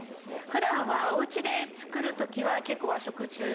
普段はおうちで作る時は結構。